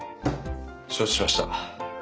承知しました。